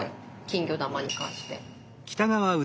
金魚玉に関して。